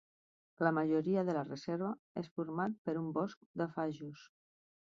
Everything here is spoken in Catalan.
La majoria de la reserva és format per un bosc de fajos.